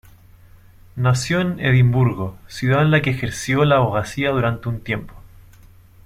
Nació en Edimburgo, ciudad en la que ejerció la abogacía durante un tiempo.